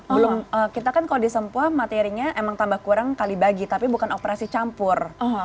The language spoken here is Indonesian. oh kita kan kalau di sempua materinya emang tambah kurang kali bagi tapi bukan operasi campur